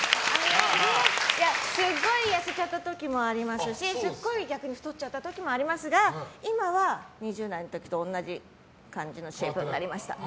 すごい痩せた時もありましたしすっごい逆に太っちゃった時もありましたが今は、２０代の時と同じ感じのシェイプになりました。